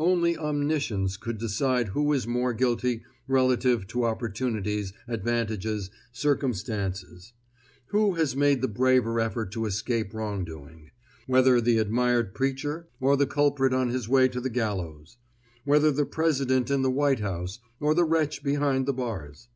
Only omniscience could decide who is more guilty relatively to opportunities, advantages, circumstances; who has made the braver effort to escape wrongdoing; whether the admired preacher, or the culprit on his way to the gallows; whether the President in the White House or the wretch behind the bars.